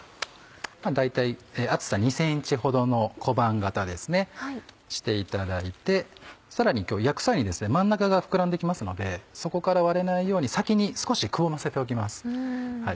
大体厚さ２ｃｍほどの小判形ですねしていただいてさらに今日焼く際にですね真ん中が膨らんで来ますのでそこから割れないように先に少しくぼませておきます。